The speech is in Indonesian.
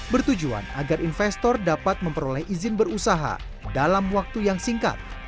bertujuan agar investor dapat memperoleh izin berusaha dalam waktu yang singkat